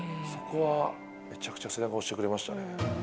そこはめちゃくちゃ背中を押してくれましたね